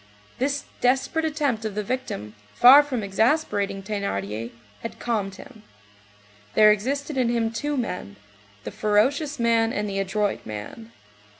This desperate attempt of the victim, far from exasperating Thénardier, had calmed him. There existed in him two men, the ferocious man and the adroit man.